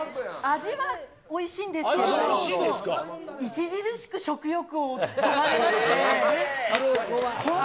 味はおいしいんですけど、著しく食欲を削がれまして。